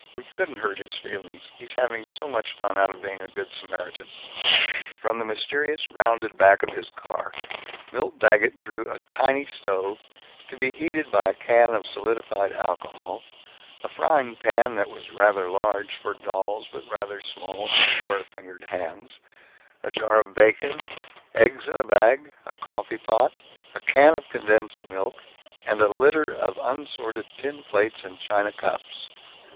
We couldn't hurt his feelings. He's having so much fun out of being a Good Samaritan." From the mysterious rounded back of his car Milt Daggett drew a tiny stove, to be heated by a can of solidified alcohol, a frying pan that was rather large for dolls but rather small for square fingered hands, a jar of bacon, eggs in a bag, a coffee pot, a can of condensed milk, and a litter of unsorted tin plates and china cups.